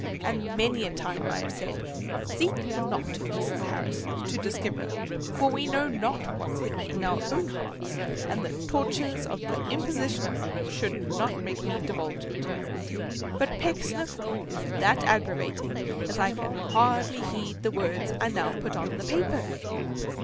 And many a time have I said, "Seek not, Mrs. Harris, to diskiver; for we know not wot's hidden in our own hearts, and the torters of the Imposition should not make me diwulge it." But Pecksniff is that aggravating as I can hardly heed the words I now put on the paper.